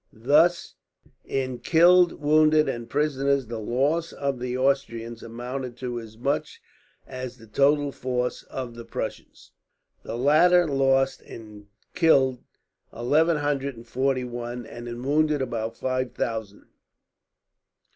Thus in killed, wounded, and prisoners the loss of the Austrians amounted to as much as the total force of the Prussians. The latter lost in killed eleven hundred and forty one, and in wounded about five thousand.